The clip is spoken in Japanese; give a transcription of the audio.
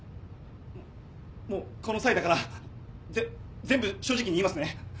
もっもうこの際だからぜっ全部正直に言いますね。